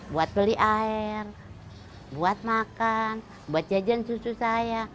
buat beli air buat makan buat jajan susu saya